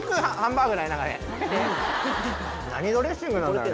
何ドレッシングなんだろうね。